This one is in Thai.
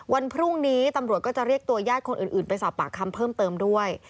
วันพรุ่งนี้ตำรวจก็จะเรียกตัวญาติคนอื่นไปสอบปากคำเพิ่มเติมด้วย